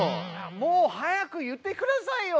もう早く言ってくださいよ！